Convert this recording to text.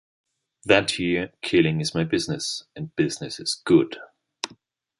That year, Killing Is My Business... and Business Is Good!